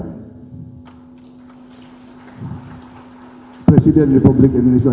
presiden republik indonesia